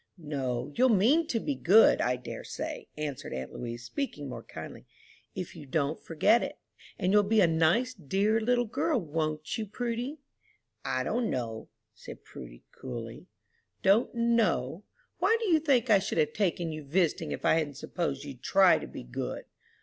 "No, you'll mean to be good, I dare say," answered aunt Louise, speaking more kindly, "if you don't forget it. And you'll be a nice, dear little girl, won't you, Prudy?" "I don't know," said Prudy, coolly. "Don't know? Why, do you think I should have taken you visiting if I hadn't supposed you'd try to be good?"